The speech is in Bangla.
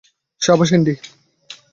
সাবাস, অ্যান্ডি।